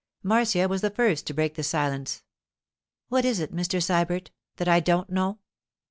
Marcia was the first to break the silence. 'What is it, Mr. Sybert, that I don't know?